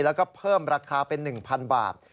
แล้วก็เพิ่มราคาเป็น๑๐๐๐บาท